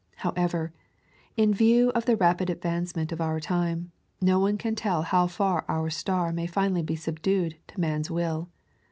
How ever, in view of the rapid advancement of our time, no one can tell how far our star may finally be subdued to man's will.